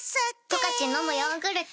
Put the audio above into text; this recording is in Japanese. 「十勝のむヨーグルト」